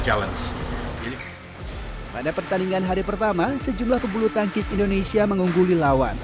challenge pada pertandingan hari pertama sejumlah pebulu tangkis indonesia mengungguli lawan